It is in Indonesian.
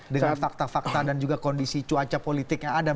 dengan fakta fakta dan juga kondisi cuaca politik yang ada